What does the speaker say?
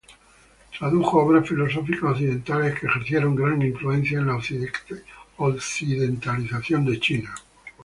Tradujo obras filosóficas occidentales que ejercieron gran influencia en la occidentalización de China.